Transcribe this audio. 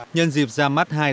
nhân dịp ra mắt hai